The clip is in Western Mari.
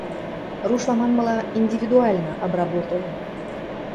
Рушла манмыла, индивидуально обработаем.